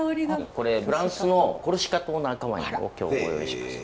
これフランスのコルシカ島の赤ワインを今日はご用意しました。